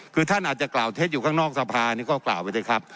คือท่านอาจจะกล่าวเท็จอยู่ข้างนอกสภานี่ก็กล่าวไปเถอะครับ